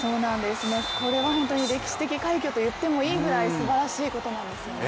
これは本当に歴史的快挙と言ってもいいぐらいすばらしいことなんですよね。